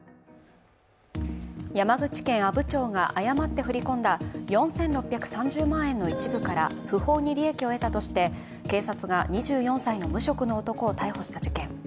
山口県阿武町が誤って振り込んだ４６３０万円の一部から不法に利益を得たとして警察が、２４歳の無職の男を逮捕した事件。